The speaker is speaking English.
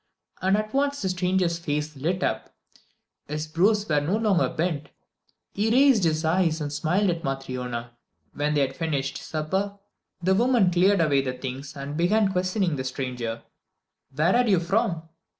And at once the stranger's face lit up; his brows were no longer bent, he raised his eyes and smiled at Matryona. When they had finished supper, the woman cleared away the things and began questioning the stranger. "Where are you from?"